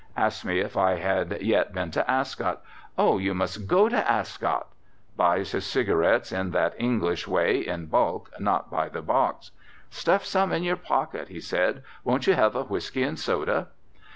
Asked me if I had yet been to Ascot. "Oh, you must go to Ascot." Buys his cigarettes, in that English way, in bulk, not by the box. "Stuff some in your pocket," he said. "Won't you have a whiskey and soda?"